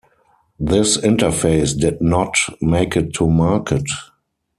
This interface did not make it to market.